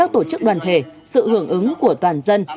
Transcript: tổ chức đoàn thể sự hưởng ứng của toàn dân